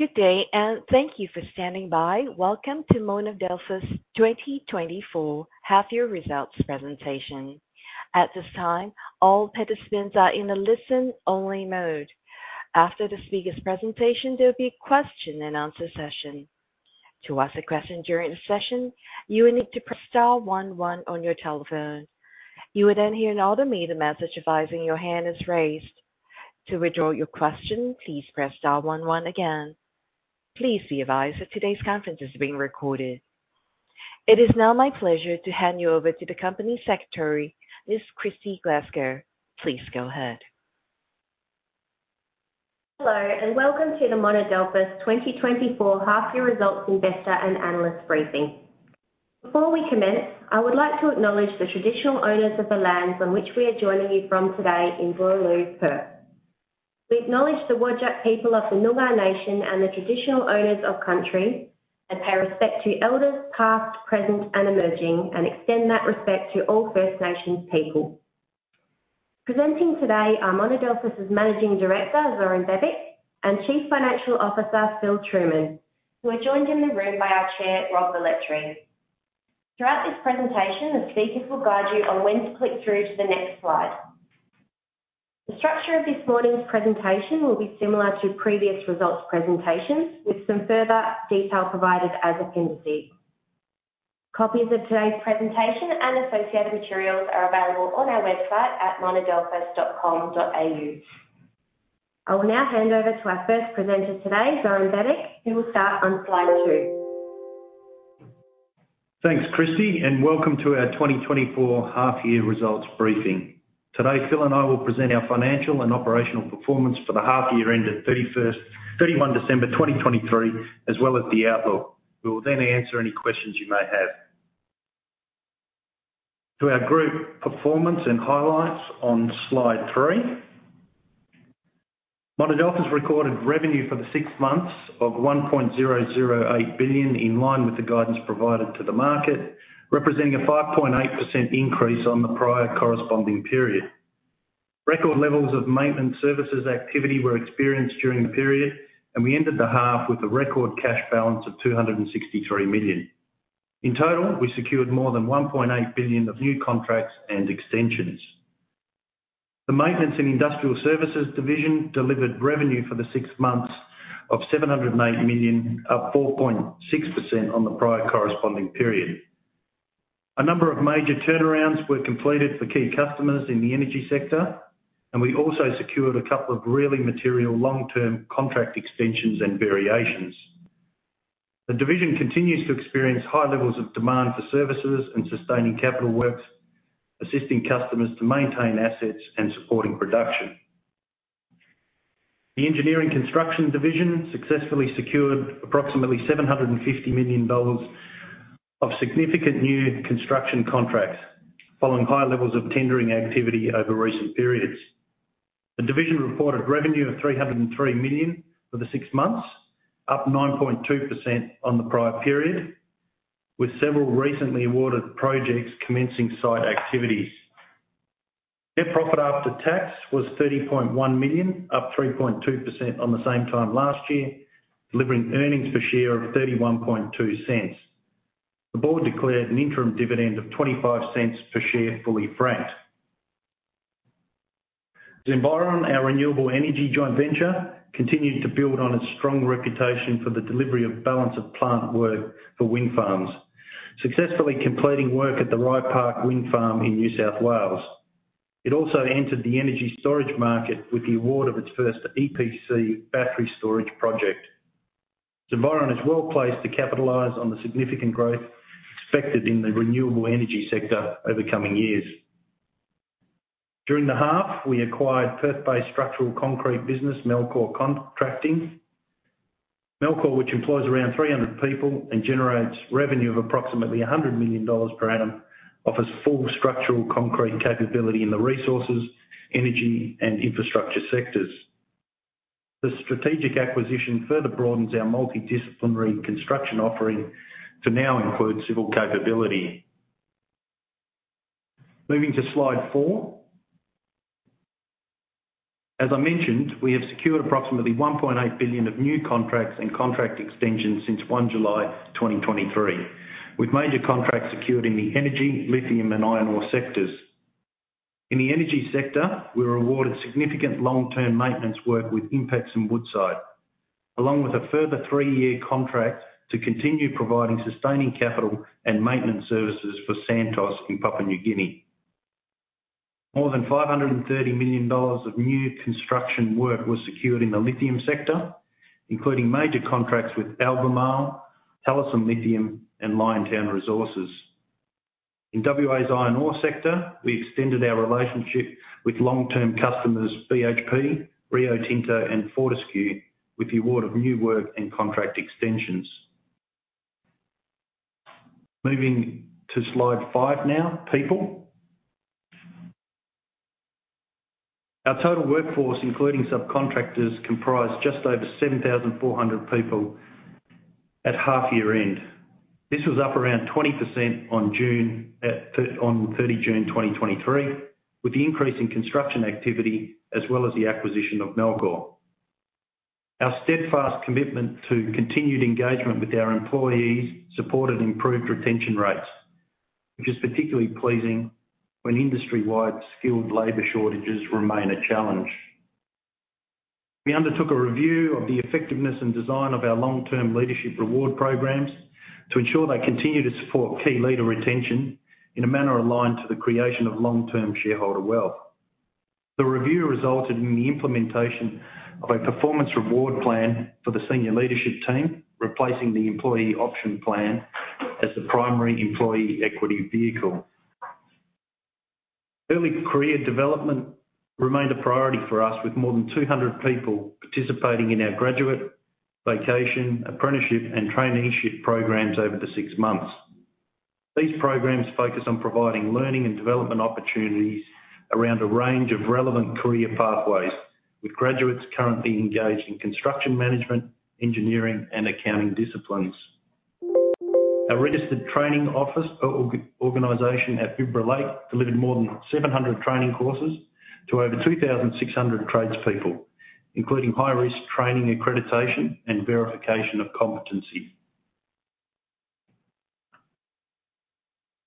Good day, and thank you for standing by. Welcome to Monadelphous' 2024 half year results presentation. At this time, all participants are in a listen-only mode. After the speaker's presentation, there'll be a question and answer session. To ask a question during the session, you will need to press star one one on your telephone. You will then hear an automated message advising your hand is raised. To withdraw your question, please press star one one again. Please be advised that today's conference is being recorded. It is now my pleasure to hand you over to the company secretary, Ms. Kristy Glasgow. Please go ahead. Hello, and welcome to the Monadelphous 2024 half year results investor and analyst briefing. Before we commence, I would like to acknowledge the traditional owners of the lands on which we are joining you from today in Boorloo, Perth. We acknowledge the Whadjuk people of the Noongar Nation and the traditional owners of country, and pay respect to elders, past, present, and emerging, and extend that respect to all First Nations people. Presenting today are Monadelphous' Managing Director, Zoran Bebic, and Chief Financial Officer, Phil Truman, who are joined in the room by our chair, Rob Velletri. Throughout this presentation, the speakers will guide you on when to click through to the next slide. The structure of this morning's presentation will be similar to previous results presentations, with some further detail provided as appropriate. Copies of today's presentation and associated materials are available on our website at monadelphous.com.au. I will now hand over to our first presenter today, Zoran Bebic, who will start on slide two. Thanks, Kristy, and welcome to our 2024 half year results briefing. Today, Phil and I will present our financial and operational performance for the half year ended 31 December 2023, as well as the outlook. We will then answer any questions you may have. To our group performance and highlights on Slide 3. Monadelphous recorded revenue for the six months of AUD 1.008 billion, in line with the guidance provided to the market, representing a 5.8% increase on the prior corresponding period. Record levels of maintenance services activity were experienced during the period, and we ended the half with a record cash balance of 263 million. In total, we secured more than 1.8 billion of new contracts and extensions. The Maintenance and Industrial Services division delivered revenue for the six months of 708 million, up 4.6% on the prior corresponding period. A number of major turnarounds were completed for key customers in the energy sector, and we also secured a couple of really material long-term contract extensions and variations. The division continues to experience high levels of demand for services and sustaining capital works, assisting customers to maintain assets and supporting production. The Engineering Construction division successfully secured approximately 750 million dollars of significant new construction contracts, following high levels of tendering activity over recent periods. The division reported revenue of 303 million for the six months, up 9.2% on the prior period, with several recently awarded projects commencing site activities. Net profit after tax was 30.1 million, up 3.2% on the same time last year, delivering earnings per share of 0.312. The board declared an interim dividend of 0.25 per share, fully franked. Zenviron, our renewable energy joint venture, continued to build on its strong reputation for the delivery of balance of plant work for wind farms, successfully completing work at the Rye Park Wind Farm in New South Wales. It also entered the energy storage market with the award of its first EPC battery storage project. Zenviron is well placed to capitalize on the significant growth expected in the renewable energy sector over the coming years. During the half, we acquired Perth-based structural concrete business, Melchor Contracting. Melchor, which employs around 300 people and generates revenue of approximately 100 million dollars per annum, offers full structural concrete capability in the resources, energy, and infrastructure sectors. This strategic acquisition further broadens our multidisciplinary construction offering to now include civil capability. Moving to Slide 4. As I mentioned, we have secured approximately 1.8 billion of new contracts and contract extensions since 1 July 2023, with major contracts secured in the energy, lithium, and iron ore sectors. In the energy sector, we were awarded significant long-term maintenance work with INPEX and Woodside, along with a further three-year contract to continue providing sustaining capital and maintenance services for Santos in Papua New Guinea. More than 530 million dollars of new construction work was secured in the lithium sector, including major contracts with Albemarle, Talison Lithium, and Liontown Resources. In WA's iron ore sector, we extended our relationship with long-term customers, BHP, Rio Tinto, and Fortescue, with the award of new work and contract extensions. Moving to Slide 5 now, people. Our total workforce, including subcontractors, comprise just over 7,400 people at half year end. This was up around 20% on 30 June 2023, with the increase in construction activity as well as the acquisition of Melchor. Our steadfast commitment to continued engagement with our employees supported improved retention rates, which is particularly pleasing when industry-wide skilled labor shortages remain a challenge. We undertook a review of the effectiveness and design of our long-term leadership reward programs to ensure they continue to support key leader retention in a manner aligned to the creation of long-term shareholder wealth. The review resulted in the implementation of a performance reward plan for the senior leadership team, replacing the employee option plan as the primary employee equity vehicle. Early career development remained a priority for us, with more than 200 people participating in our graduate, vocation, apprenticeship, and traineeship programs over the 6 months. These programs focus on providing learning and development opportunities around a range of relevant career pathways, with graduates currently engaged in construction management, engineering, and accounting disciplines. Our registered training organization at Bibra Lake delivered more than 700 training courses to over 2,600 tradespeople, including high-risk training, accreditation, and verification of competency.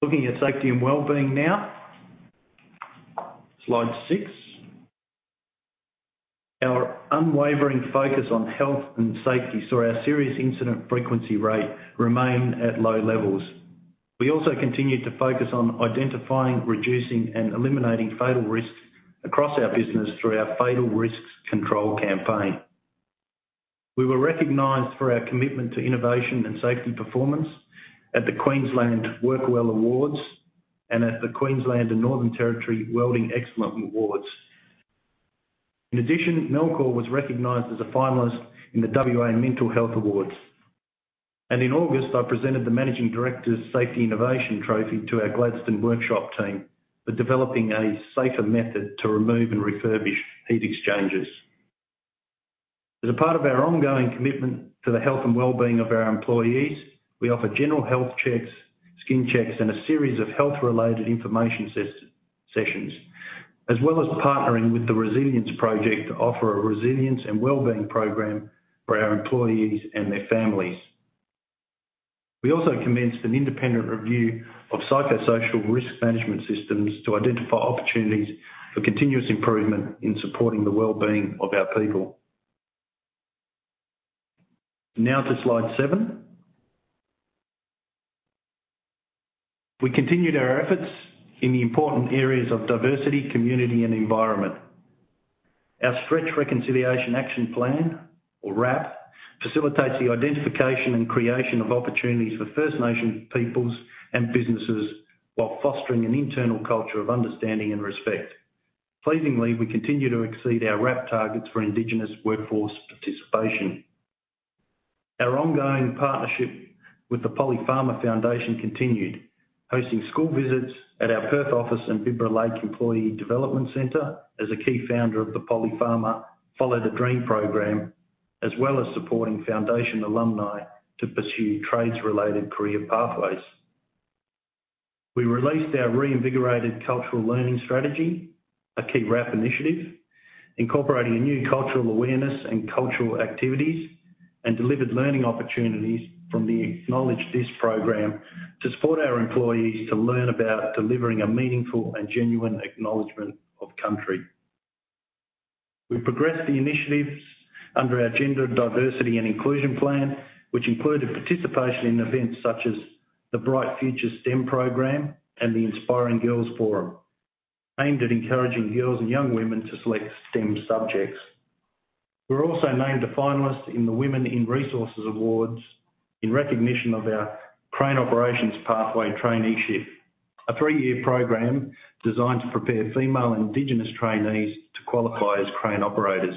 Looking at safety and wellbeing now, slide 6. Our unwavering focus on health and safety saw our serious incident frequency rate remain at low levels. We also continued to focus on identifying, reducing and eliminating fatal risks across our business through our Fatal Risks Control campaign. We were recognized for our commitment to innovation and safety performance at the Queensland Work Well Awards and at the Queensland and Northern Territory Welding Excellence Awards. In addition, Melchor was recognized as a finalist in the WA Mental Health Awards, and in August, I presented the Managing Director's Safety Innovation Trophy to our Gladstone workshop team for developing a safer method to remove and refurbish heat exchangers. As a part of our ongoing commitment to the health and well-being of our employees, we offer general health checks, skin checks, and a series of health-related information sessions, as well as partnering with the Resilience Project to offer a resilience and well-being program for our employees and their families. We also commenced an independent review of psychosocial risk management systems to identify opportunities for continuous improvement in supporting the wellbeing of our people. Now to slide seven. We continued our efforts in the important areas of diversity, community, and environment. Our Stretch Reconciliation Action Plan, or RAP, facilitates the identification and creation of opportunities for First Nation peoples and businesses, while fostering an internal culture of understanding and respect. Pleasingly, we continue to exceed our RAP targets for Indigenous workforce participation. Our ongoing partnership with the Polly Farmer Foundation continued, hosting school visits at our Perth office and Bibra Lake Employee Development Center as a key founder of the Polly Farmer Follow the Dream program, as well as supporting foundation alumni to pursue trades-related career pathways. We released our reinvigorated cultural learning strategy, a key RAP initiative, incorporating a new cultural awareness and cultural activities, and delivered learning opportunities from the Acknowledge This! program to support our employees to learn about delivering a meaningful and genuine acknowledgment of country. We progressed the initiatives under our Gender, Diversity, and Inclusion Plan, which included participation in events such as the Bright Futures STEM program and the Inspiring Girls Forum, aimed at encouraging girls and young women to select STEM subjects. We were also named a finalist in the Women in Resources Awards in recognition of our Crane Operations Pathway Traineeship, a three-year program designed to prepare female and Indigenous trainees to qualify as crane operators.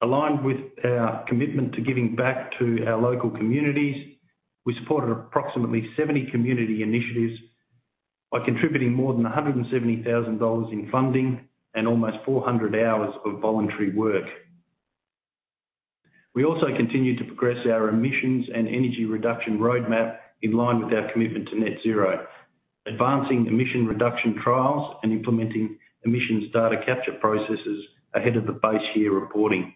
Aligned with our commitment to giving back to our local communities, we supported approximately 70 community initiatives by contributing more than 170,000 dollars in funding and almost 400 hours of voluntary work. We also continued to progress our emissions and energy reduction roadmap in line with our commitment to net zero, advancing emission reduction trials and implementing emissions data capture processes ahead of the base year reporting.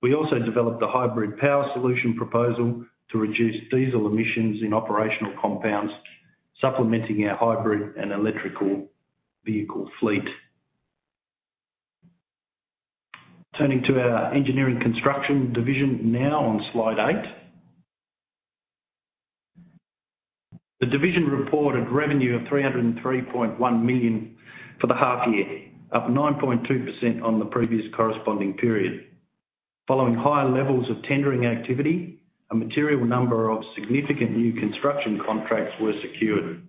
We also developed a hybrid power solution proposal to reduce diesel emissions in operational compounds, supplementing our hybrid and electrical vehicle fleet. Turning to our engineering construction division now on slide 8. The division reported revenue of 303.1 million for the half year, up 9.2% on the previous corresponding period. Following higher levels of tendering activity, a material number of significant new construction contracts were secured.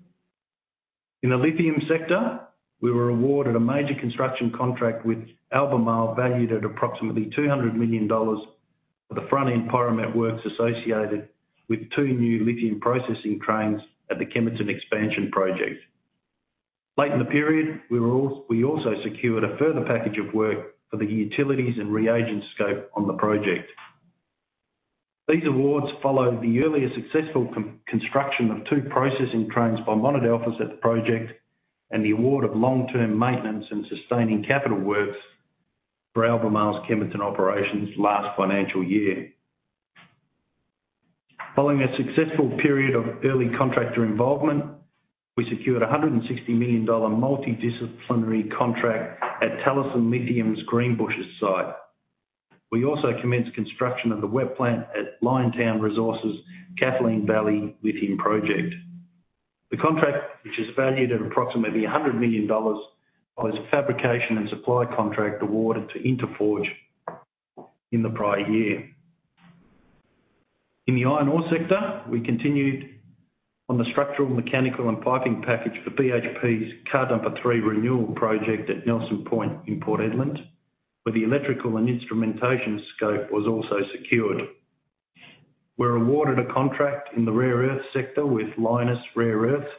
In the lithium sector, we were awarded a major construction contract with Albemarle, valued at approximately 200 million dollars for the front-end pyromet works associated with two new lithium processing trains at the Kemerton expansion project. Late in the period, we also secured a further package of work for the utilities and reagents scope on the project. These awards followed the earlier successful construction of two processing trains by Monadelphous at the project, and the award of long-term maintenance and sustaining capital works for Albemarle's Kemerton operations last financial year. Following a successful period of early contractor involvement, we secured a 160 million dollar multidisciplinary contract at Talison Lithium's Greenbushes site. We also commenced construction of the wet plant at Liontown Resources' Kathleen Valley Lithium Project. The contract, which is valued at approximately 100 million dollars, follows a fabrication and supply contract awarded to Inteforge in the prior year. In the iron ore sector, we continued on the structural, mechanical, and piping package for BHP's Car Dumper 3 Renewal Project at Nelson Point in Port Hedland, where the electrical and instrumentation scope was also secured. We're awarded a contract in the rare earth sector with Lynas Rare Earths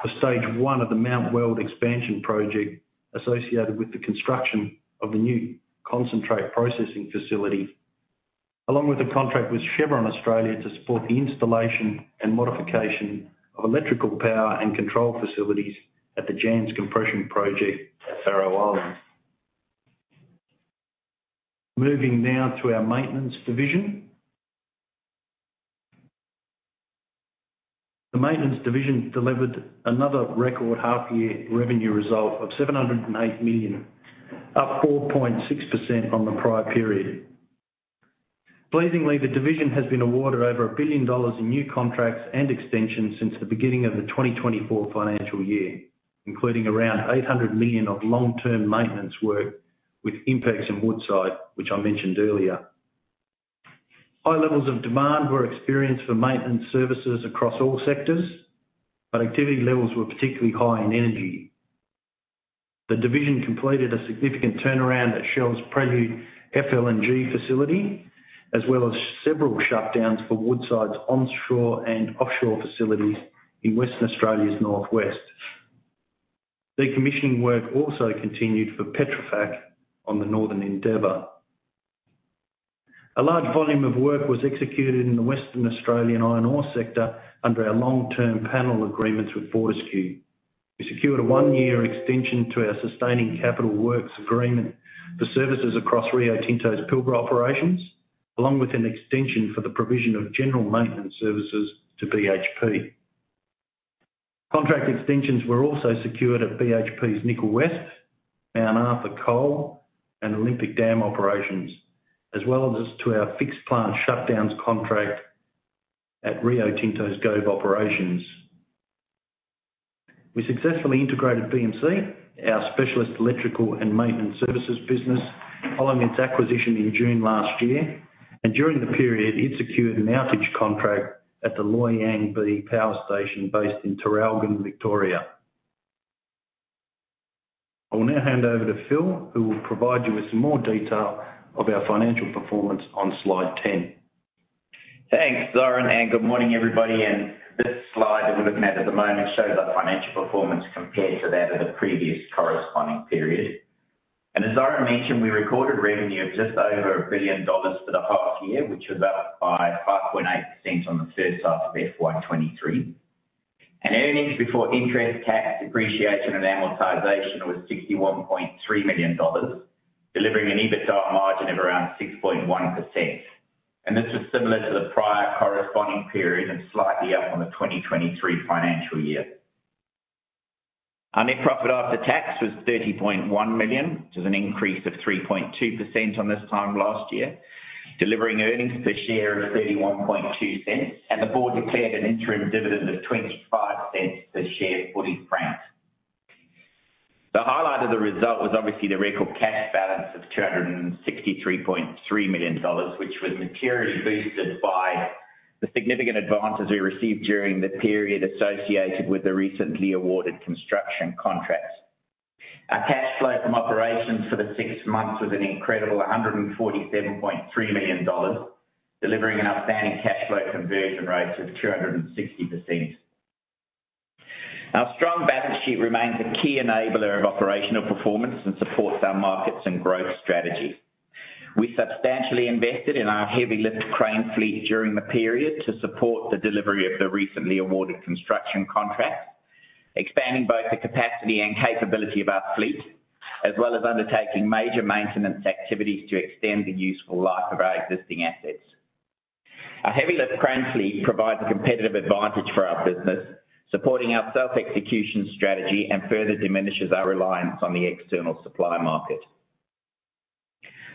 for stage one of the Mount Weld expansion project, associated with the construction of the new concentrate processing facility, along with a contract with Chevron Australia to support the installation and modification of electrical power and control facilities at the Jansz-Io Compression Project at Barrow Island. Moving now to our maintenance division. The maintenance division delivered another record half year revenue result of 708 million, up 4.6% on the prior period. Pleasingly, the division has been awarded over 1 billion dollars in new contracts and extensions since the beginning of the 2024 financial year, including around 800 million of long-term maintenance work with INPEX and Woodside, which I mentioned earlier. High levels of demand were experienced for maintenance services across all sectors, but activity levels were particularly high in energy. The division completed a significant turnaround at Shell's Prelude FLNG facility, as well as several shutdowns for Woodside's onshore and offshore facilities in Western Australia's northwest. Decommissioning work also continued for Petrofac on the Northern Endeavor. A large volume of work was executed in the Western Australian iron ore sector under our long-term panel agreements with Fortescue. We secured a one-year extension to our sustaining capital works agreement for services across Rio Tinto's Pilbara operations, along with an extension for the provision of general maintenance services to BHP. Contract extensions were also secured at BHP's Nickel West, Mount Arthur Coal, and Olympic Dam operations, as well as to our fixed plant shutdowns contract at Rio Tinto's Gove operations. We successfully integrated BMC, our specialist electrical and maintenance services business, following its acquisition in June last year, and during the period, it secured an outage contract at the Loy Yang B Power Station based in Traralgon, Victoria. I will now hand over to Phil, who will provide you with some more detail of our financial performance on slide 10. Thanks, Zoran, and good morning, everybody. This slide that we're looking at at the moment shows our financial performance compared to that of the previous corresponding period. As Zoran mentioned, we recorded revenue of just over 1 billion dollars for the half year, which was up by 5.8% on the first half of FY 2023. Earnings before interest, tax, depreciation, and amortization was 61.3 million dollars, delivering an EBITDA margin of around 6.1%, and this is similar to the prior corresponding period and slightly up on the 2023 financial year. Our net profit after tax was 30.1 million, which is an increase of 3.2% on this time last year, delivering earnings per share of 0.312, and the board declared an interim dividend of 0.25 per share fully franked. The highlight of the result was obviously the record cash balance of 263.3 million dollars, which was materially boosted by the significant advances we received during the period associated with the recently awarded construction contracts. Our cash flow from operations for the six months was an incredible 147.3 million dollars, delivering an outstanding cash flow conversion rate of 260%. Our strong balance sheet remains a key enabler of operational performance and supports our markets and growth strategy. We substantially invested in our heavy lift crane fleet during the period to support the delivery of the recently awarded construction contracts, expanding both the capacity and capability of our fleet, as well as undertaking major maintenance activities to extend the useful life of our existing assets. Our heavy lift crane fleet provides a competitive advantage for our business, supporting our self-execution strategy and further diminishes our reliance on the external supply market.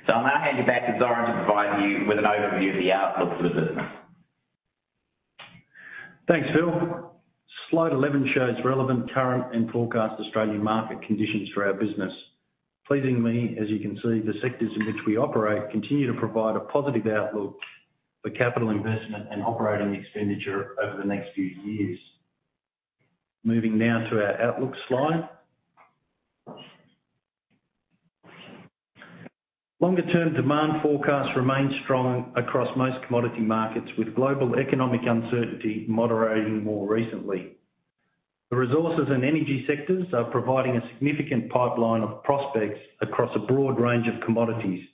I'll now hand you back to Zoran to provide you with an overview of the outlook for the business. Thanks, Phil. Slide 11 shows relevant current and forecast Australian market conditions for our business. Pleasingly, as you can see, the sectors in which we operate continue to provide a positive outlook for capital investment and operating expenditure over the next few years. Moving now to our outlook slide... Longer-term demand forecasts remain strong across most commodity markets, with global economic uncertainty moderating more recently. The resources and energy sectors are providing a significant pipeline of prospects across a broad range of commodities,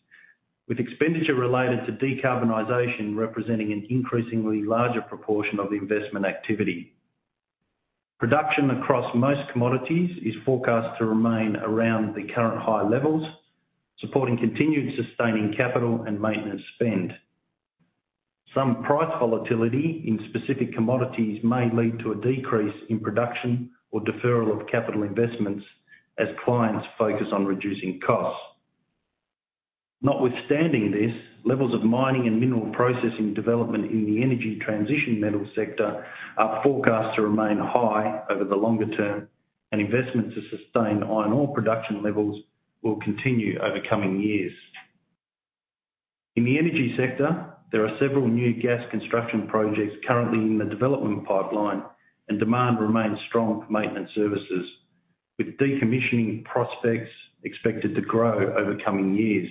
with expenditure related to decarbonization representing an increasingly larger proportion of the investment activity. Production across most commodities is forecast to remain around the current high levels, supporting continued sustaining capital and maintenance spend. Some price volatility in specific commodities may lead to a decrease in production or deferral of capital investments as clients focus on reducing costs. Notwithstanding this, levels of mining and mineral processing development in the energy transition metal sector are forecast to remain high over the longer term, and investments to sustain iron ore production levels will continue over coming years. In the energy sector, there are several new gas construction projects currently in the development pipeline, and demand remains strong for maintenance services, with decommissioning prospects expected to grow over coming years.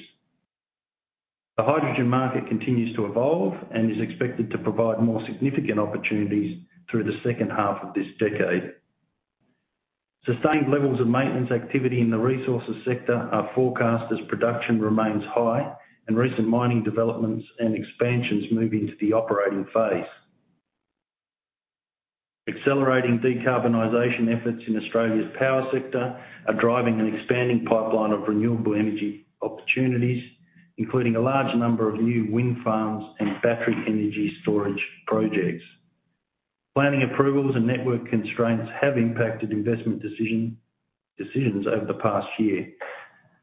The hydrogen market continues to evolve and is expected to provide more significant opportunities through the second half of this decade. Sustained levels of maintenance activity in the resources sector are forecast as production remains high and recent mining developments and expansions move into the operating phase. Accelerating decarbonization efforts in Australia's power sector are driving an expanding pipeline of renewable energy opportunities, including a large number of new wind farms and battery energy storage projects. Planning approvals and network constraints have impacted investment decisions over the past year.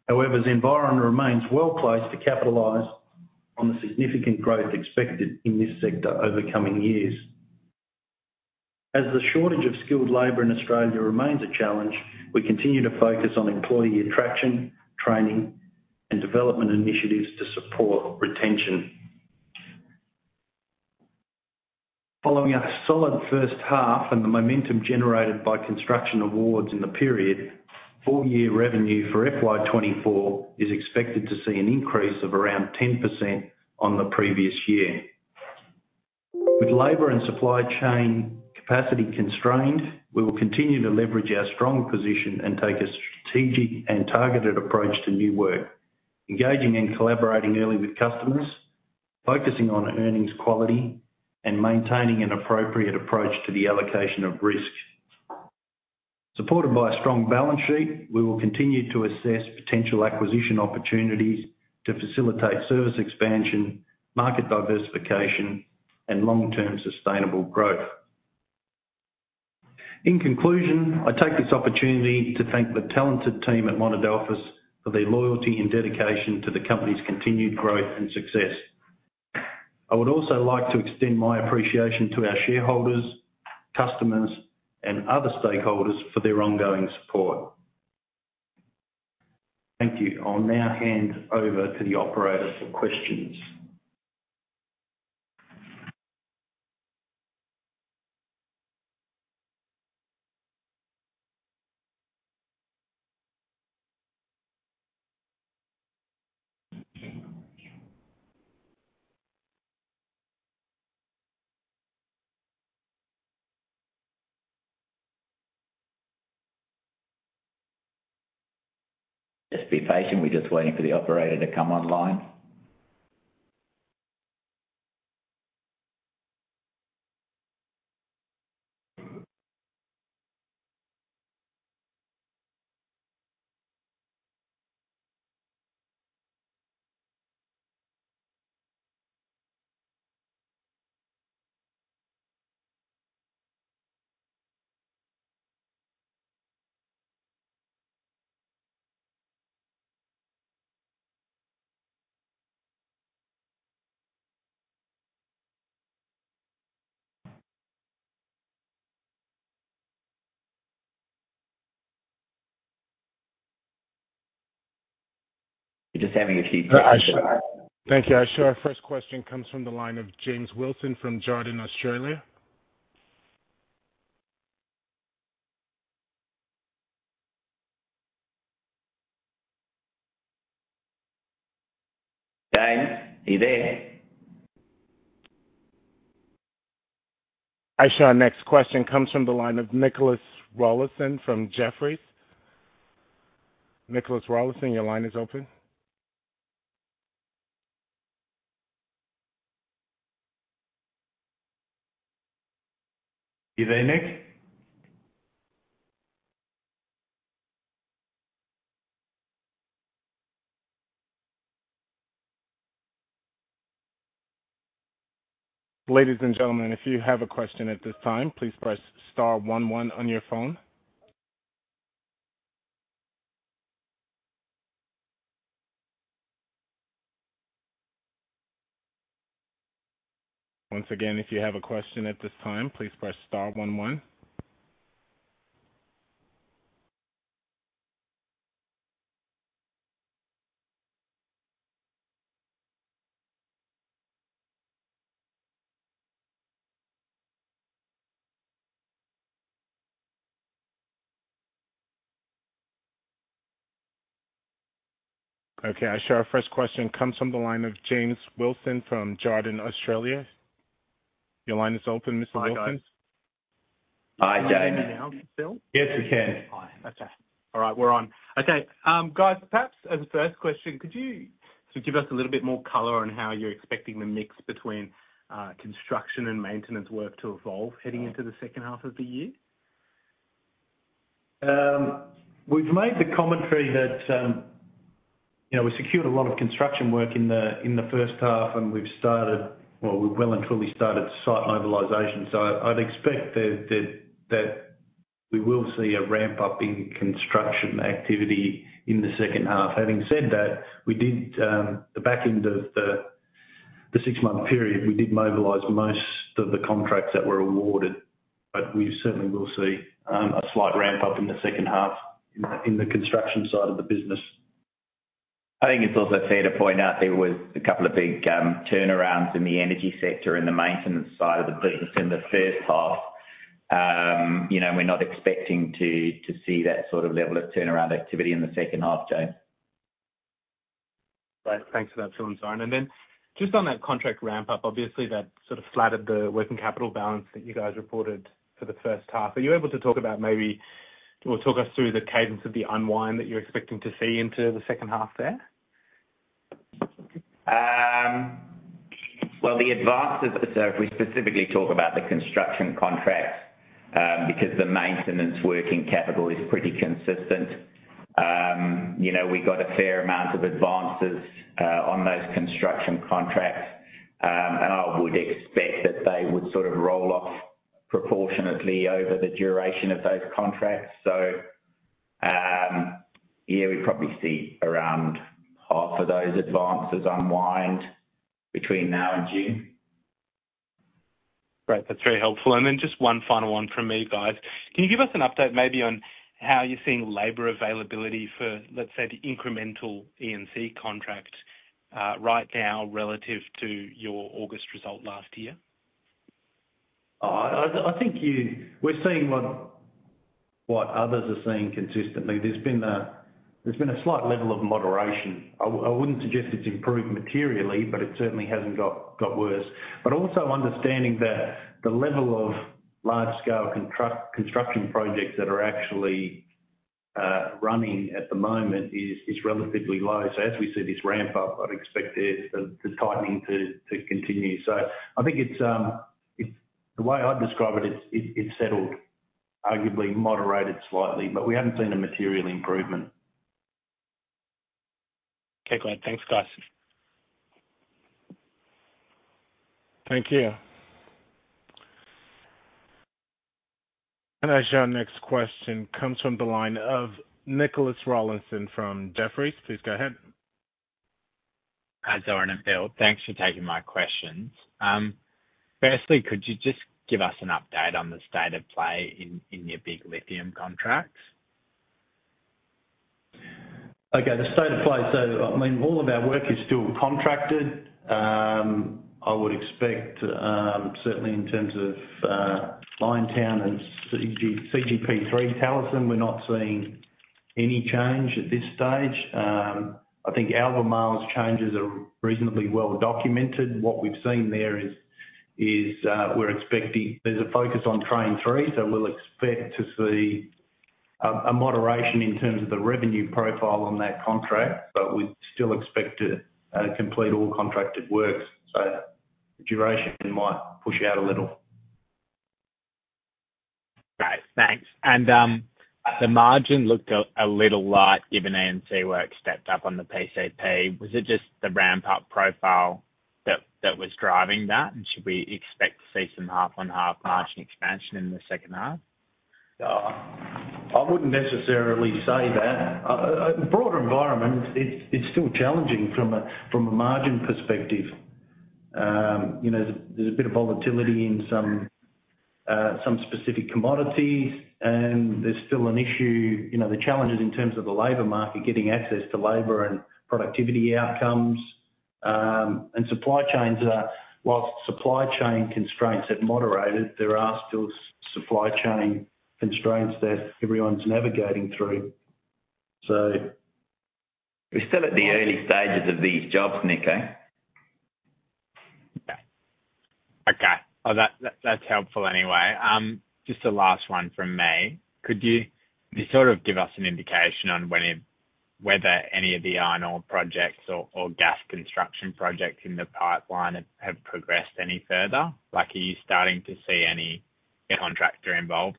However, Zenviron remains well-placed to capitalize on the significant growth expected in this sector over coming years. As the shortage of skilled labor in Australia remains a challenge, we continue to focus on employee attraction, training, and development initiatives to support retention. Following a solid first half and the momentum generated by construction awards in the period, full year revenue for FY 2024 is expected to see an increase of around 10% on the previous year. With labor and supply chain capacity constrained, we will continue to leverage our strong position and take a strategic and targeted approach to new work, engaging and collaborating early with customers, focusing on earnings quality, and maintaining an appropriate approach to the allocation of risk. Supported by a strong balance sheet, we will continue to assess potential acquisition opportunities to facilitate service expansion, market diversification, and long-term sustainable growth. In conclusion, I take this opportunity to thank the talented team at Monadelphous for their loyalty and dedication to the company's continued growth and success. I would also like to extend my appreciation to our shareholders, customers, and other stakeholders for their ongoing support. Thank you. I'll now hand over to the operator for questions. Just be patient. We're just waiting for the operator to come online. We're just having a few- Thank you, Aisha. Our first question comes from the line of James Wilson from Jarden, Australia. James, are you there? Aisha, our next question comes from the line of Nicholas Rawlinson from Jefferies. Nicholas Rawlinson, your line is open. Are you there, Nick? Ladies and gentlemen, if you have a question at this time, please press star one one on your phone. Once again, if you have a question at this time, please press star one one. Okay, I show our first question comes from the line ofcourse line is open, Mr. Wilson. Hi, guys. Hi, James.... Can you hear me now, Phil? Yes, we can. Hi. Okay. All right, we're on. Okay, guys, perhaps as a first question, could you sort of give us a little bit more color on how you're expecting the mix between construction and maintenance work to evolve heading into the second half of the year? We've made the commentary that, you know, we secured a lot of construction work in the first half, and we've started. Well, we've well and truly started site mobilization. So I'd expect that we will see a ramp-up in construction activity in the second half. Having said that, we did the back end of the six-month period, we did mobilize most of the contracts that were awarded, but we certainly will see a slight ramp-up in the second half in the construction side of the business. I think it's also fair to point out there was a couple of big turnarounds in the energy sector in the maintenance side of the business in the first half. You know, we're not expecting to see that sort of level of turnaround activity in the second half, James. Right. Thanks for that, Phil and Zoran. Just on that contract ramp-up, obviously, that sort of flattered the working capital balance that you guys reported for the first half. Are you able to talk about maybe, or talk us through the cadence of the unwind that you're expecting to see into the second half there? Well, the advances. So if we specifically talk about the construction contracts, because the maintenance working capital is pretty consistent, you know, we got a fair amount of advances on those construction contracts. And I would expect that they would sort of roll off proportionately over the duration of those contracts. So, yeah, we probably see around half of those advances unwind between now and June. Great, that's very helpful. And then just one final one from me, guys. Can you give us an update maybe on how you're seeing labor availability for, let's say, the incremental E&C contract, right now relative to your August result last year? I think we're seeing what others are seeing consistently. There's been a slight level of moderation. I wouldn't suggest it's improved materially, but it certainly hasn't got worse. But also understanding that the level of large-scale construction projects that are actually running at the moment is relatively low. So as we see this ramp up, I'd expect the tightening to continue. So I think it's the way I'd describe it, it's settled, arguably moderated slightly, but we haven't seen a material improvement. Okay, great. Thanks, guys. Thank you. Our next question comes from the line of Nicholas Rawlinson from Jefferies. Please go ahead. Hi, Zoran and Phil. Thanks for taking my questions. Firstly, could you just give us an update on the state of play in your big lithium contracts? Okay, the state of play, so I mean, all of our work is still contracted. I would expect, certainly in terms of, Liontown and CG- CGP3 Talison, we're not seeing any change at this stage. I think Albemarle's changes are reasonably well documented. What we've seen there is, we're expecting there's a focus on Train 3, so we'll expect to see, a moderation in terms of the revenue profile on that contract, but we still expect to, complete all contracted works, so the duration might push out a little. Great, thanks. And the margin looked a little light, given E&C work stepped up on the PCP. Was it just the ramp-up profile that was driving that? And should we expect to see some half-on-half margin expansion in the second half? I wouldn't necessarily say that. The broader environment, it's still challenging from a margin perspective. You know, there's a bit of volatility in some specific commodities, and there's still an issue, you know, the challenges in terms of the labor market, getting access to labor and productivity outcomes, and supply chains are... Whilst supply chain constraints have moderated, there are still supply chain constraints that everyone's navigating through, so- We're still at the early stages of these jobs, Nick, eh? Okay. Okay, well, that's helpful anyway. Just the last one from me. Could you sort of give us an indication on whether any of the iron ore projects or gas construction projects in the pipeline have progressed any further? Like, are you starting to see any contractor involved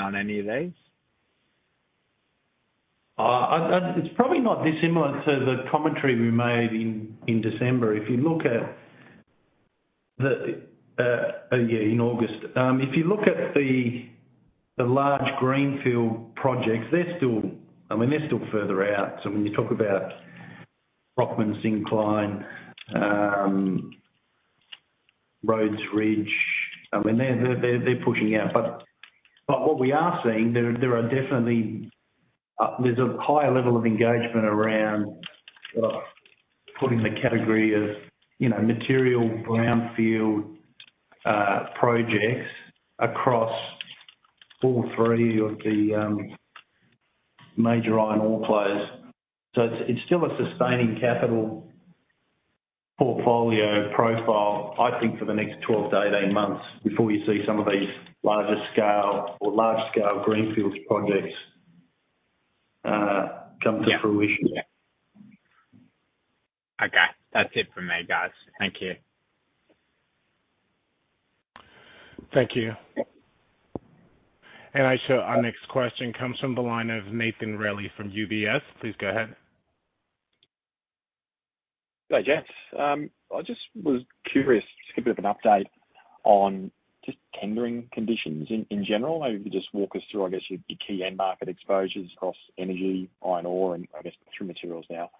on any of these? It's probably not dissimilar to the commentary we made in December. If you look at the in August. If you look at the large greenfield projects, they're still, I mean, they're still further out. So when you talk about Brockman Syncline, Rhodes Ridge, I mean, they're pushing out. But what we are seeing, there are definitely there's a higher level of engagement around putting the category of, you know, material brownfield projects across all three of the major iron ore players. So it's still a sustaining capital portfolio profile, I think, for the next 12-18 months before you see some of these larger scale or large-scale greenfields projects come to fruition. Yeah. Okay, that's it for me, guys. Thank you. Thank you. And I show our next question comes from the line of Nathan Reilly from UBS. Please go ahead. Hi, gents. I just was curious, just a bit of an update on just tendering conditions in general. Maybe just walk us through, I guess, your key end market exposures across energy, iron ore, and I guess through materials now.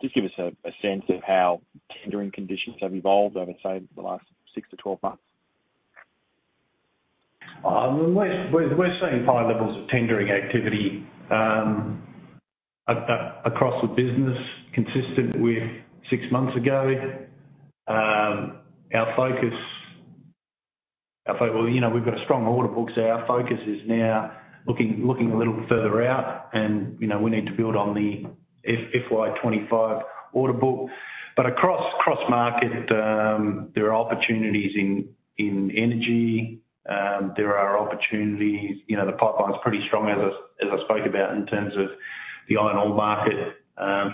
Just give us a sense of how tendering conditions have evolved over, say, the last 6-12 months. We're seeing high levels of tendering activity across the business, consistent with six months ago. Our focus—well, you know, we've got a strong order book, so our focus is now looking a little further out, and, you know, we need to build on the FY 2025 order book. But across cross-market, there are opportunities in energy, there are opportunities—you know, the pipeline's pretty strong, as I spoke about, in terms of the iron ore market,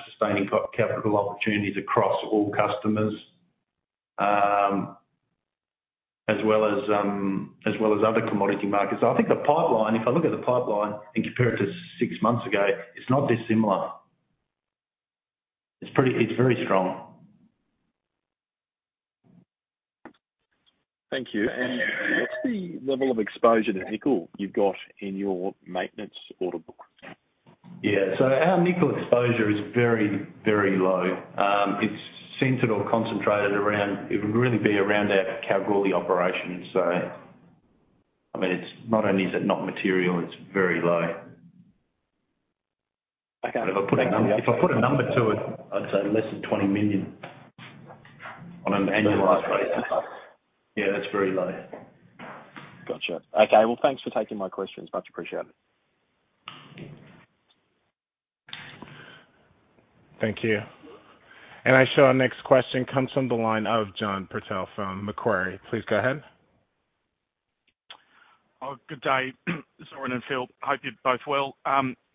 sustaining capital opportunities across all customers, as well as other commodity markets. I think the pipeline, if I look at the pipeline and compare it to six months ago, it's not dissimilar. It's pretty—it's very strong. Thank you. And what's the level of exposure to nickel you've got in your maintenance order book? Yeah, so our nickel exposure is very, very low. It's centered or concentrated around, it would really be around our Kalgoorlie operations. So, I mean, not only is it not material, it's very low. Okay. If I put a number, if I put a number to it, I'd say less than 20 million on an annualized basis. Yeah, that's very low. Gotcha. Okay, well, thanks for taking my questions. Much appreciated. Thank you. I show our next question comes from the line of Jon Patel from Macquarie. Please go ahead. Oh, good day, Zoran and Phil. Hope you're both well.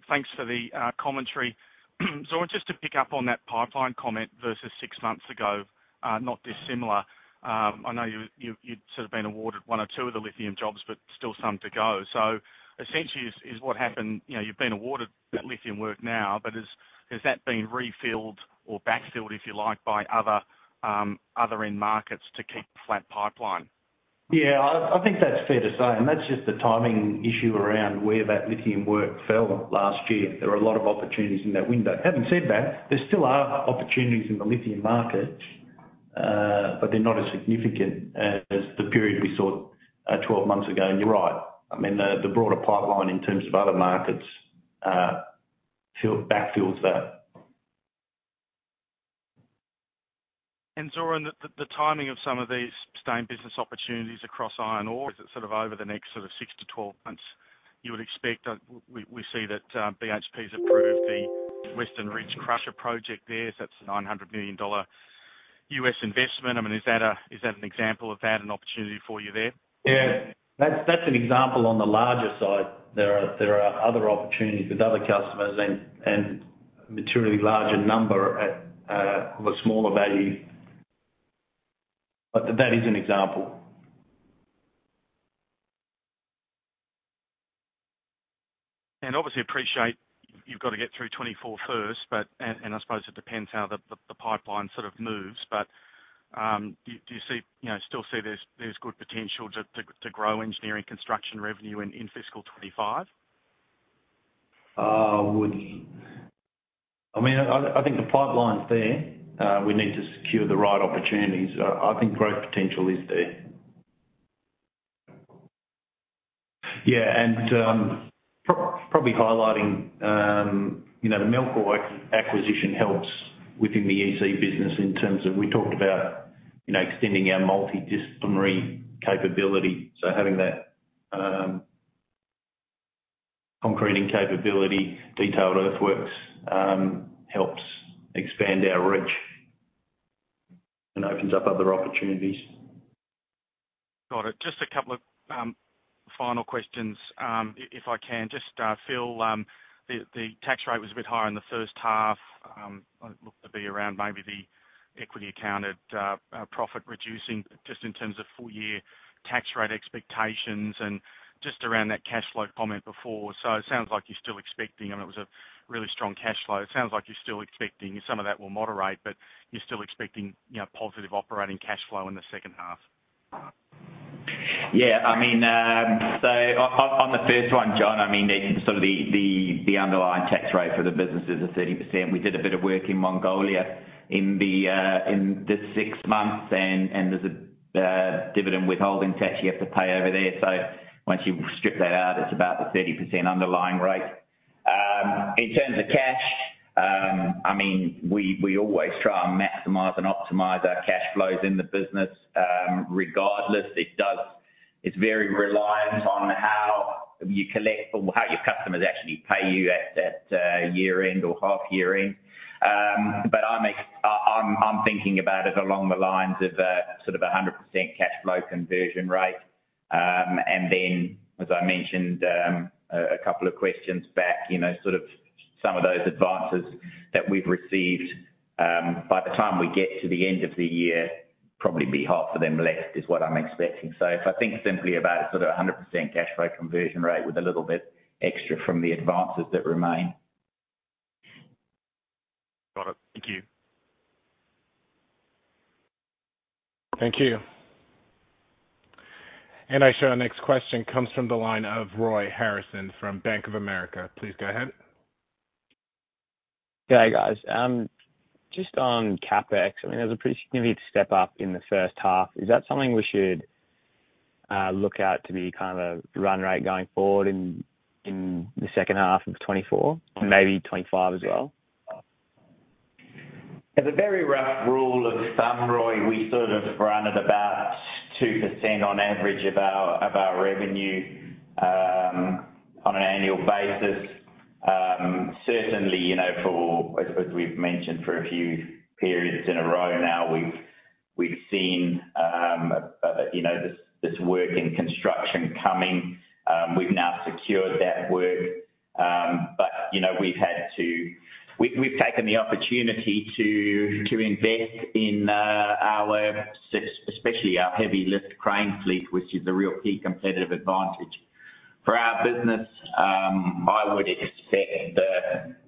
Thanks for the commentary. Zoran, just to pick up on that pipeline comment versus six months ago, not dissimilar. I know you, you, you'd sort of been awarded one or two of the lithium jobs, but still some to go. So essentially, is, is what happened, you know, you've been awarded that lithium work now, but has, has that been refilled or backfilled, if you like, by other, other end markets to keep a flat pipeline? Yeah, I think that's fair to say, and that's just the timing issue around where that lithium work fell last year. There were a lot of opportunities in that window. Having said that, there still are opportunities in the lithium market, but they're not as significant as the period we saw 12 months ago. And you're right, I mean, the broader pipeline in terms of other markets backfills that. Zoran, the timing of some of these sustained business opportunities across iron ore, is it sort of over the next 6-12 months, you would expect? We see that BHP's approved the Western Ridge Crusher Project there. So that's a $900 million US investment. I mean, is that an example of that, an opportunity for you there? Yeah, that's an example on the larger side. There are other opportunities with other customers and materially larger number of a smaller value. But that is an example. And obviously appreciate you've got to get through 2024 first, but. And I suppose it depends how the pipeline sort of moves. But, do you see, you know, still see there's good potential to grow engineering construction revenue in fiscal 2025? I mean, I think the pipeline's there. We need to secure the right opportunities. I think growth potential is there. Yeah, and probably highlighting, you know, the Melchor acquisition helps within the EC business in terms of we talked about, you know, extending our multidisciplinary capability. So having that concreting capability, detailed earthworks helps expand our reach and opens up other opportunities. Got it. Just a couple of final questions, if I can. Just, Phil, the tax rate was a bit higher in the first half. It looked to be around maybe the equity accounted profit, reducing just in terms of full year tax rate expectations and just around that cash flow comment before. So it sounds like you're still expecting, I mean, it was a really strong cash flow. It sounds like you're still expecting some of that will moderate, but you're still expecting, you know, positive operating cash flow in the second half. Yeah, I mean, so on the first one, Jon, I mean, the sort of the underlying tax rate for the business is 30%. We did a bit of work in Mongolia in this six months, and there's a dividend withholding tax you have to pay over there. So once you strip that out, it's about the 30% underlying rate. In terms of cash, I mean, we always try and maximize and optimize our cash flows in the business. Regardless, it does. It's very reliant on how you collect or how your customers actually pay you at that year-end or half-year end. But I'm thinking about it along the lines of a sort of 100% cash flow conversion rate. And then, as I mentioned, a couple of questions back, you know, sort of some of those advances that we've received, by the time we get to the end of the year, probably be half of them less, is what I'm expecting. So if I think simply about a sort of 100% cash flow conversion rate with a little bit extra from the advances that remain. Got it. Thank you. Thank you. And I show our next question comes from the line of Rohan Harrison from Bank of America. Please go ahead. Good day, guys. Just on CapEx, I mean, there was a pretty significant step up in the first half. Is that something we should look out to be kind of a run rate going forward in the second half of 2024 and maybe 2025 as well? As a very rough rule of thumb, Rohan, we sort of run at about 2% on average of our, of our revenue, on an annual basis. Certainly, you know, for as, as we've mentioned for a few periods in a row now, we've, we've seen, you know, this, this work in construction coming. We've now secured that work, but, you know, we've had to... We've, we've taken the opportunity to, to invest in, our especially our heavy lift crane fleet, which is a real key competitive advantage. For our business, I would expect,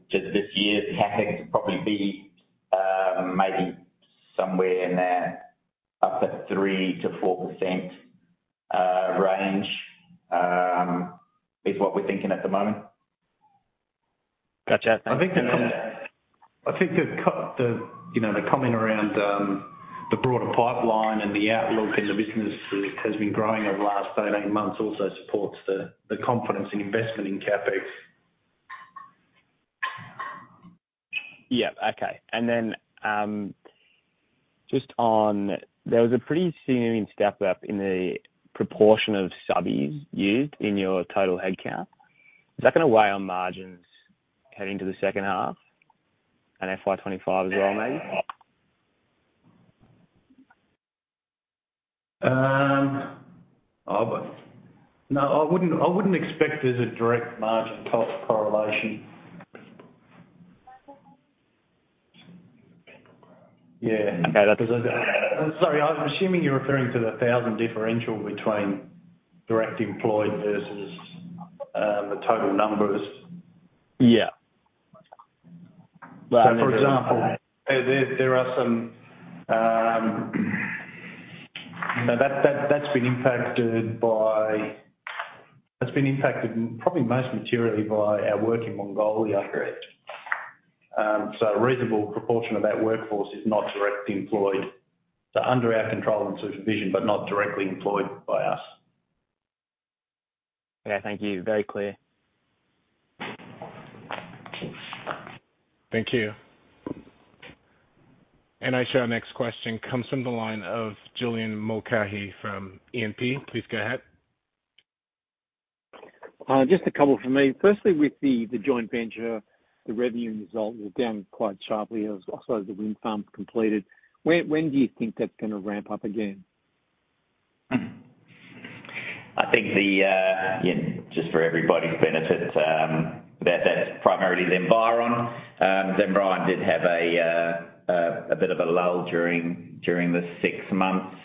just this year's CapEx to probably be, maybe somewhere in there, up at 3%-4% range, is what we're thinking at the moment. Gotcha. I think the comment around, you know, the broader pipeline and the outlook in the business has been growing over the last 18 months also supports the confidence in investment in CapEx. Yeah. Okay. And then, just on... There was a pretty significant step up in the proportion of subbies used in your total headcount. Is that gonna weigh on margins heading to the second half and FY 25 as well, maybe? No, I wouldn't. I wouldn't expect there's a direct margin cost correlation. Yeah. Okay, that's- Sorry, I'm assuming you're referring to the thousand differential between direct employed versus, the total numbers. Yeah. So for example, there are some, you know. That's been impacted probably most materially by our work in Mongolia. So a reasonable proportion of that workforce is not directly employed, so under our control and supervision, but not directly employed by us. Okay, thank you. Very clear. Thank you. I show our next question comes from the line of Julian Mulcahy from E&P. Please go ahead. Just a couple from me. Firstly, with the joint venture, the revenue result was down quite sharply as also the wind farm's completed. Where, when do you think that's gonna ramp up again? I think, you know, just for everybody's benefit, that that's primarily Zenviron. Zenviron did have a bit of a lull during the six months.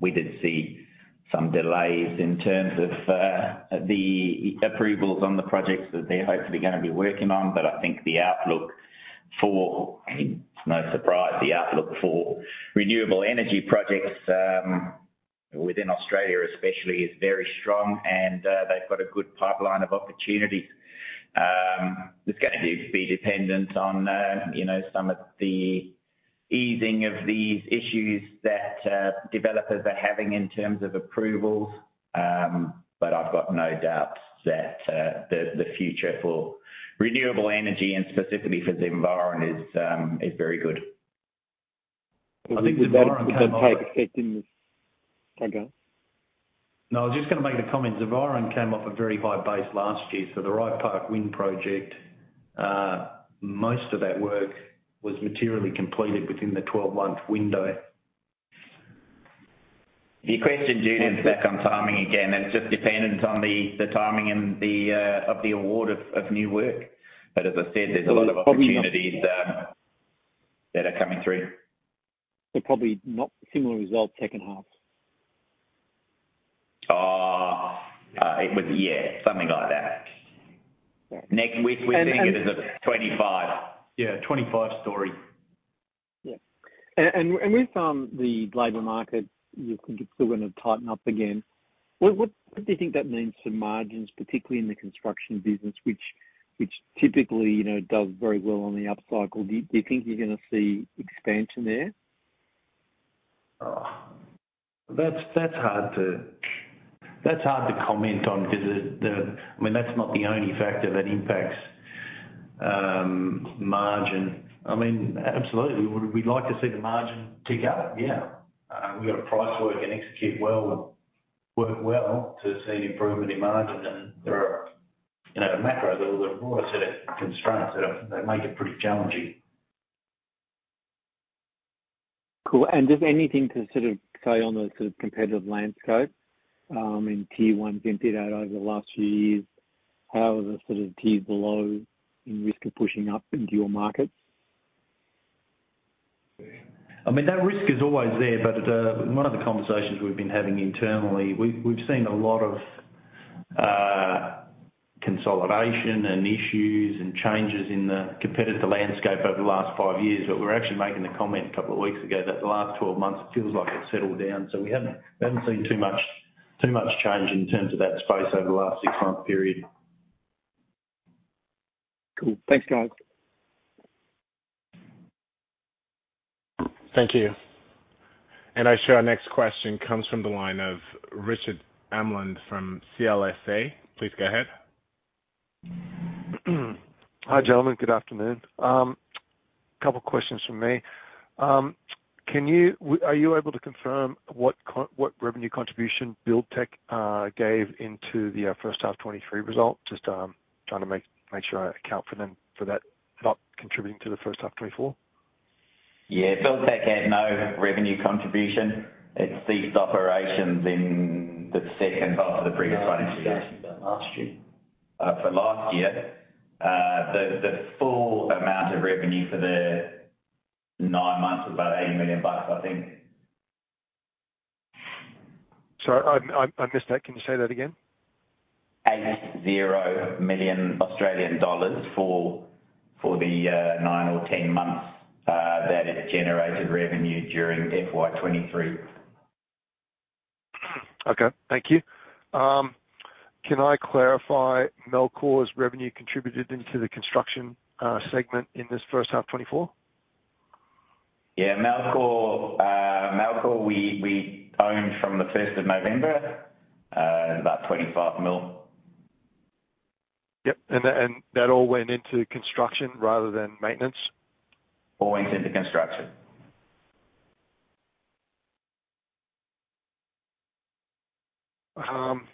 We did see some delays in terms of the approvals on the projects that they hoped we're gonna be working on. But I think the outlook for, I mean, it's no surprise, the outlook for renewable energy projects within Australia especially, is very strong and they've got a good pipeline of opportunities. It's gonna be dependent on, you know, some of the easing of these issues that developers are having in terms of approvals. But I've got no doubts that the future for renewable energy and specifically for Zenviron is very good. I think Zenviron- No, I was just gonna make a comment. Zenviron came off a very high base last year, so the Rye Park Wind Project, most of that work was materially completed within the 12-month window. Your question, Julian, is back on timing again, and it's just dependent on the timing and the award of new work. But as I said, there's a lot of opportunities that are coming through. Probably not similar result second half? It was... Yeah, something like that. Next, we think it is a 25. Yeah, 25 story. Yeah. And with the labor market, you think it's still gonna tighten up again, what do you think that means to margins, particularly in the construction business, which typically, you know, does very well on the upcycle? Do you think you're gonna see expansion there?... That's hard to comment on because the—I mean, that's not the only factor that impacts margin. I mean, absolutely, we'd like to see the margin tick up. Yeah. We've got to price work and execute well, and work well to see an improvement in margin. And there are, you know, at a macro level, there are a broader set of constraints that make it pretty challenging. Cool. Just anything to sort of say on the sort of competitive landscape, in Tier One's emptied out over the last few years? How are the sort of tiers below in risk of pushing up into your markets? I mean, that risk is always there, but, one of the conversations we've been having internally, we've, we've seen a lot of, consolidation and issues and changes in the competitive landscape over the last five years. But we were actually making the comment a couple of weeks ago that the last 12 months, it feels like it's settled down, so we haven't, we haven't seen too much, too much change in terms of that space over the last six-month period. Cool. Thanks, guys. Thank you. I show our next question comes from the line of Richard Aplin from CLSA. Please go ahead. Hi, gentlemen. Good afternoon. Couple questions from me. Can you-- are you able to confirm what revenue contribution Buildtek gave into the first half 2023 result? Just trying to make sure I account for them, for that not contributing to the first half 2024. Yeah, Buildtek had no revenue contribution. It ceased operations in the second half of the previous financial year. Last year. For last year, the full amount of revenue for the nine months was about 80 million bucks, I think. Sorry, I missed that. Can you say that again? 80 million Australian dollars for the nine or ten months that it generated revenue during FY 2023. Okay, thank you. Can I clarify Melchor's revenue contributed into the construction segment in this first half 2024? Yeah, Melchor, we owned from the first of November about 25 million. Yep, and that, and that all went into construction rather than maintenance? All went into construction. I'm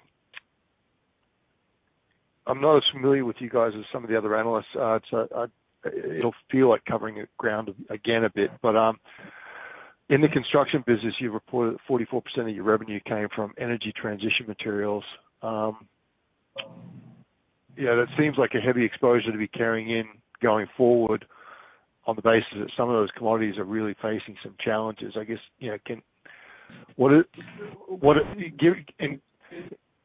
not as familiar with you guys as some of the other analysts, so it'll feel like covering the ground again a bit. But, in the construction business, you've reported that 44% of your revenue came from energy transition materials. Yeah, that seems like a heavy exposure to be carrying in going forward on the basis that some of those commodities are really facing some challenges. I guess, you know, what are, what are... Give, and,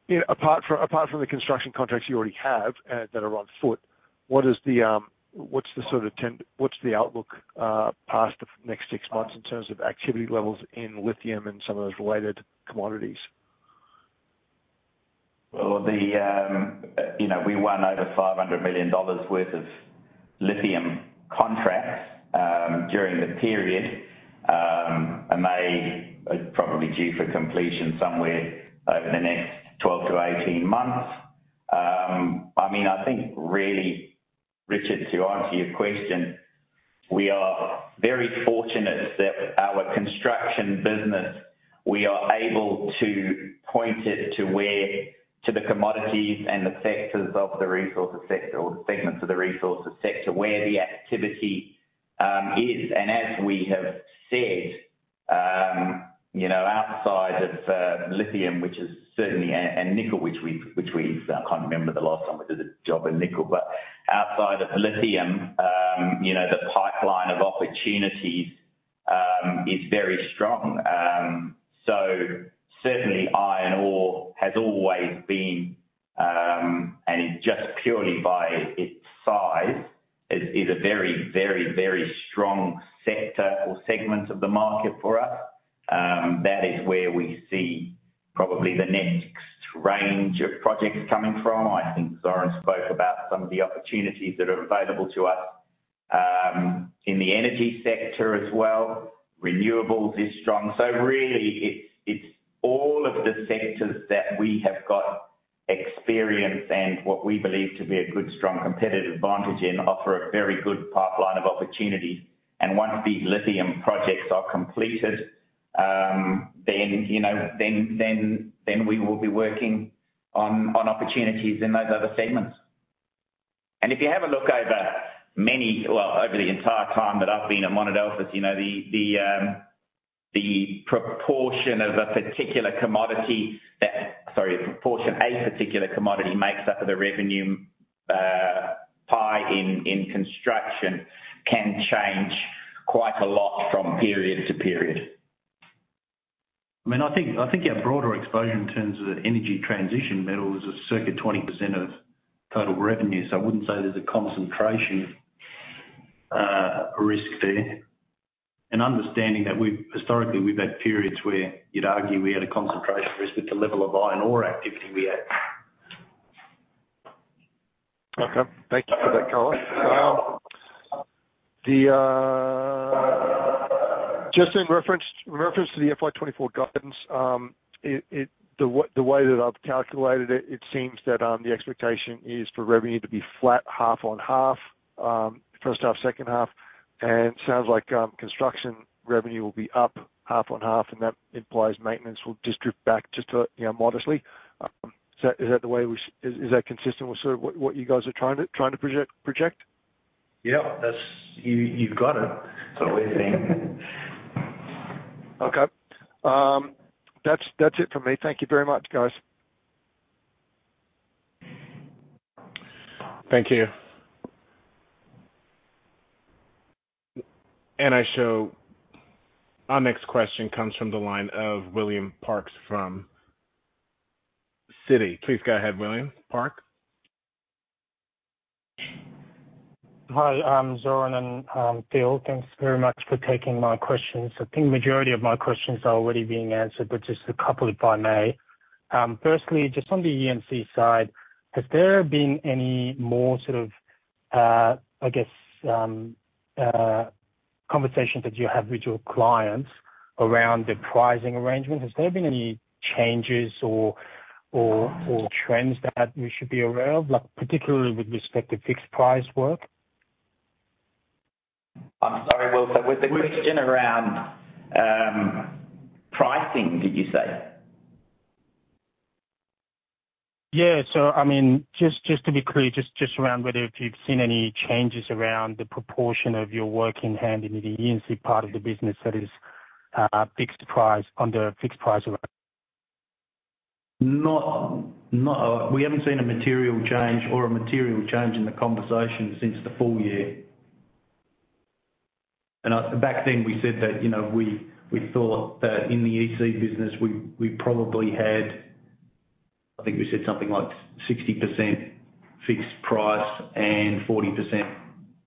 you know, apart from, apart from the construction contracts you already have, that are on foot, what is the, what's the sort of trend-- what's the outlook, past the next six months in terms of activity levels in lithium and some of those related commodities? Well, you know, we won over 500 million dollars worth of lithium contracts during the period, and many are probably due for completion somewhere over the next 12-18 months. I mean, I think really, Richard, to answer your question, we are very fortunate that our construction business, we are able to point it to where to the commodities and the sectors of the resources sector or the segments of the resources sector, where the activity is. And as we have said, you know, outside of lithium, which is certainly and nickel, which we, I can't remember the last time we did a job in nickel. But outside of lithium, you know, the pipeline of opportunities is very strong. So certainly iron ore has always been, and just purely by its size, is a very, very, very strong sector or segment of the market for us. That is where we see probably the next range of projects coming from. I think Zoran spoke about some of the opportunities that are available to us, in the energy sector as well. Renewables is strong. So really, it's all of the sectors that we have got experience and what we believe to be a good, strong competitive advantage in, offer a very good pipeline of opportunity. And once these lithium projects are completed, then, you know, then we will be working on opportunities in those other segments. If you have a look over many, well, over the entire time that I've been at Monadelphous, you know, the proportion of a particular commodity that... Sorry, the proportion of a particular commodity makes up of the revenue pie in construction can change quite a lot from period to period. I mean, I think, I think our broader exposure in terms of the energy transition metals is circa 20% of total revenue, so I wouldn't say there's a concentration risk there. And understanding that we've historically, we've had periods where you'd argue we had a concentration risk with the level of iron ore activity we had. Okay, thank you for that, Colin. Just in reference to the FY 2024 guidance, the way that I've calculated it, it seems that the expectation is for revenue to be flat, half on half, first half, second half, and sounds like construction revenue will be up half on half, and that implies maintenance will just drop back just to, you know, modestly. Is that the way, is that consistent with sort of what you guys are trying to project? Yeah, that's. You've got it. That's the way we think. Okay. That's, that's it for me. Thank you very much, guys. Thank you. And I show our next question comes from the line of William Park from Citi. Please go ahead, William Park. Hi, Zoran and Phil, thanks very much for taking my questions. I think the majority of my questions are already being answered, but just a couple, if I may. Firstly, just on the EMC side, has there been any more sort of, I guess, conversations that you have with your clients around the pricing arrangement? Has there been any changes or trends that we should be aware of, like, particularly with respect to fixed price work? I'm sorry, Will, so was the question around pricing, did you say? Yeah. So I mean, just to be clear, just around whether if you've seen any changes around the proportion of your work in hand in the EMC part of the business that is fixed price, under a fixed price around? We haven't seen a material change or a material change in the conversation since the full year. Back then, we said that, you know, we thought that in the EC business, we probably had, I think we said something like 60% fixed price and 40%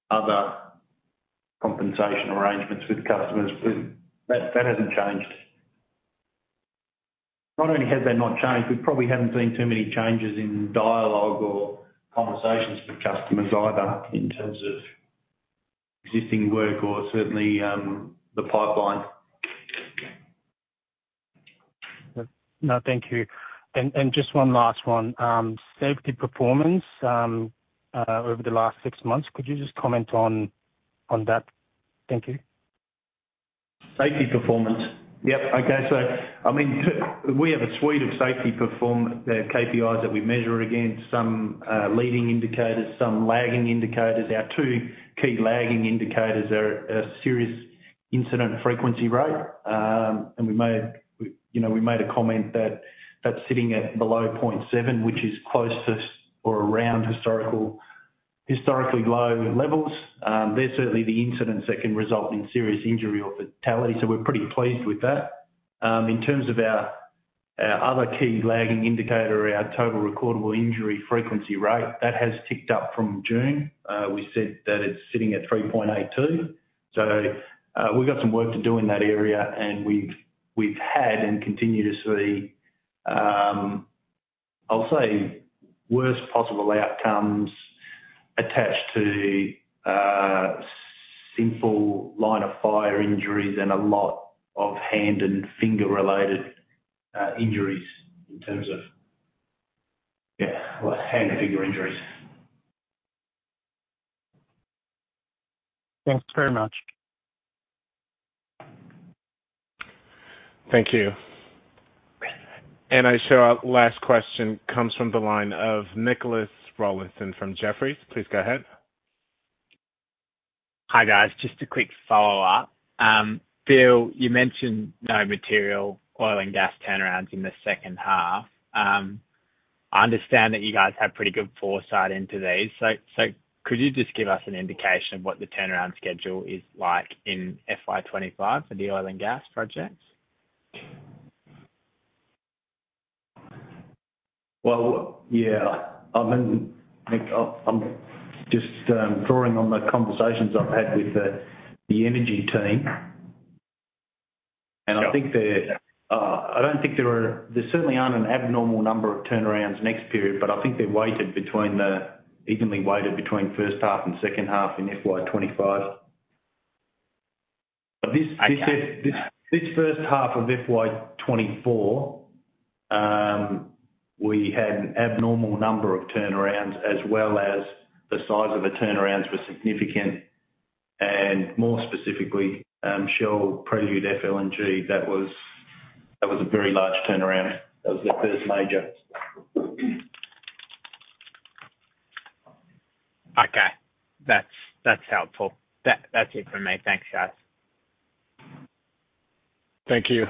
other compensation arrangements with customers. But that hasn't changed. Not only has that not changed, we probably haven't seen too many changes in dialogue or conversations with customers either, in terms of existing work or certainly, the pipeline. No, thank you. And just one last one. Safety performance over the last six months, could you just comment on that? Thank you. Safety performance? Yep. Okay. So, I mean, we have a suite of safety performance KPIs that we measure against some leading indicators, some lagging indicators. Our two key lagging indicators are Serious Incident Frequency Rate. And we made, you know, we made a comment that that's sitting at below 0.7, which is close to or around historically low levels. They're certainly the incidents that can result in serious injury or fatality, so we're pretty pleased with that. In terms of our other key lagging indicator, our Total Recordable Injury Frequency Rate, that has ticked up from June. We said that it's sitting at 3.82. So, we've got some work to do in that area, and we've had and continue to see, I'll say, worse possible outcomes attached to simple line of fire injuries and a lot of hand and finger-related injuries in terms of... Yeah, well, hand and finger injuries. Thanks very much. Thank you. And I show our last question comes from the line of Nicholas Rawlinson from Jefferies. Please go ahead. Hi, guys. Just a quick follow-up. Phil, you mentioned no material oil and gas turnarounds in the second half. I understand that you guys have pretty good foresight into these. So, could you just give us an indication of what the turnaround schedule is like in FY 2025 for the oil and gas projects? Well, yeah, I've been, Nick, I'm just drawing on the conversations I've had with the energy team. Yeah. And I think there, I don't think there are, there certainly aren't an abnormal number of turnarounds next period, but I think they're evenly weighted between first half and second half in FY 2025. But this- Okay. This first half of FY 2024, we had an abnormal number of turnarounds, as well as the size of the turnarounds were significant, and more specifically, Shell Prelude FLNG, that was a very large turnaround. That was the first major. Okay. That's helpful. That's it for me. Thanks, guys. Thank you.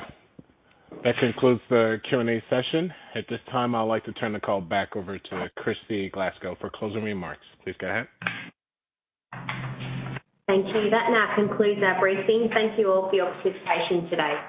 That concludes the Q&A session. At this time, I'd like to turn the call back over to Kristy Glasgow for closing remarks. Please go ahead. Thank you. That now concludes our briefing. Thank you all for your participation today.